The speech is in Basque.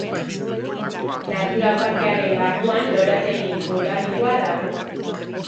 Natura parkearen barruan lorategi botanikoa dago.